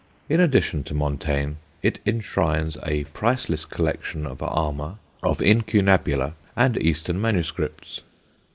In addition to Montaigne, it enshrines a priceless collection of armour, of incunabula and Eastern MSS.